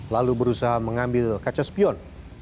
lalu berusaha mengambil kaca spion